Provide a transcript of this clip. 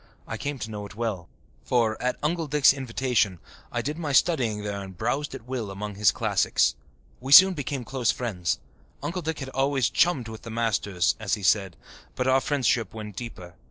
I came to know it well, for, at Uncle Dick's invitation, I did my studying there and browsed at will among his classics. We soon became close friends. Uncle Dick had always "chummed with the masters," as he said, but our friendship went deeper.